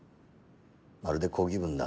まるで抗議文だ。